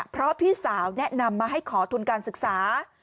เพราะพี่สาวแนะนำมาให้ขอทุนการศึกษา